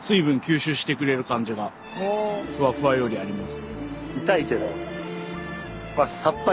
ふわふわよりあります。